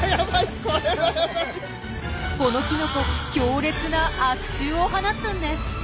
このキノコ強烈な悪臭を放つんです。